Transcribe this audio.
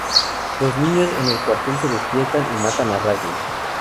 Los niños en el cuartel se despiertan y matan a Raglan.